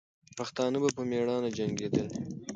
پښتانه به په میړانه جنګېدلې.